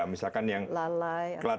misalkan yang kelalaian